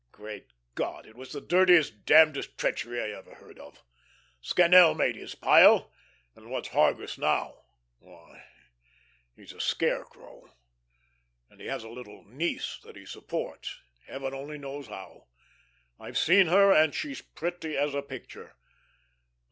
Great God, it was the dirtiest, damnedest treachery I ever heard of! Scannel made his pile, and what's Hargus now? Why, he's a scarecrow. And he has a little niece that he supports, heaven only knows how. I've seen her, and she's pretty as a picture.